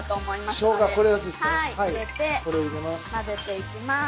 まぜていきます。